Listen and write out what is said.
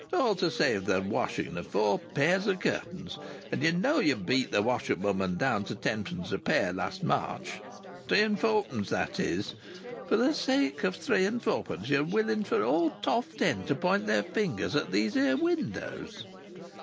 "All to save the washing of four pair o' curtains! And you know you beat the washerwoman down to tenpence a pair last March! Three and fo'pence, that is! For the sake o' three and fo'pence you're willing for all Toft End to point their finger at these 'ere windows."